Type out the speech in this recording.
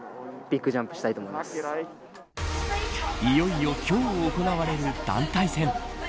いよいよ今日行われる団体戦。